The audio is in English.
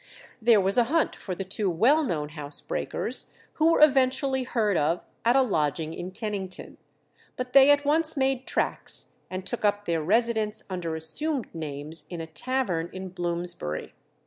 There was a hunt for the two well known house breakers, who were eventually heard of at a lodging in Kennington. But they at once made tracks, and took up their residence under assumed names in a tavern in Bloomsbury.